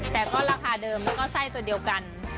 แต่ก็ราคาเดิมแล้วก็ไส้ตัวเดียวกัน